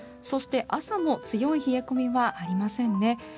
そして、朝も強い冷え込みはありませんね。